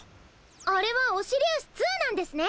あれはオシリウス２なんですね！